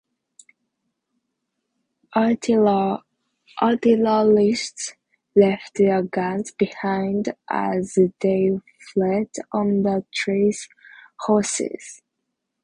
Artillerists left their guns behind as they fled on the trace horses.